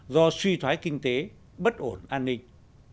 do suy thoái kinh tế bất ổn an ninh